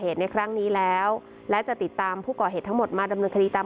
ในครั้งนี้แล้วและจะติดตามผู้ก่อเหตุทั้งหมดมาดำเนินคดีตาม